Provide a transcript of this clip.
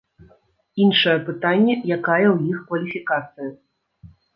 Іншае пытанне, якая ў іх кваліфікацыя.